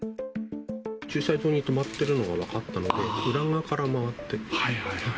駐車場に止まっているのが分かったので、裏側から回って。